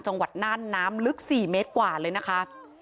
จังหวัดน่านน้ำลึก๔เมตรกว่าเลยนะคะ